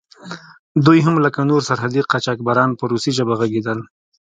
دوی هم لکه نور سرحدي قاچاقبران په روسي ژبه غږېدل.